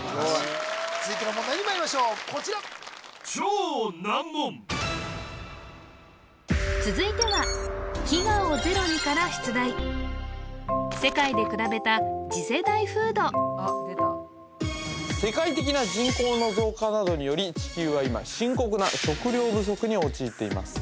続いての問題にまいりましょうこちら続いては「飢餓をゼロに」から出題世界でくらべた世界的な人口の増加などにより地球は今深刻な食料不足に陥っています